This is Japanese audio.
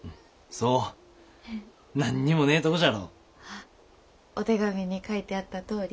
あお手紙に書いてあったとおり。